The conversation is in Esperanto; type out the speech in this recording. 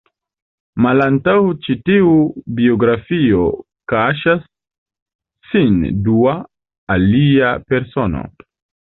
Malantaŭ ĉi-tiu biografio kaŝas sin dua, alia persono.